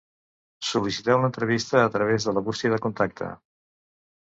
Sol·liciteu l'entrevista a través de la Bústia de contacte.